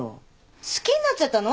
好きになっちゃったの？